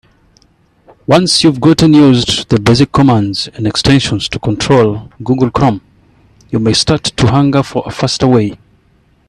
Once you've gotten used to the basic commands and extensions to control Google Chrome, you may start to hunger for a faster way.